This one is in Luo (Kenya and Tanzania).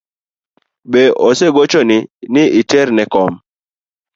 Be osegochoni ni iter ne kom?